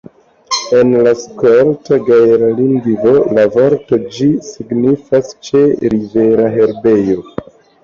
En la skot-gaela lingvo la vorto ĝi signifas "ĉe-rivera herbejo".